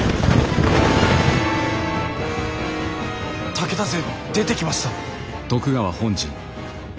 武田勢出てきました。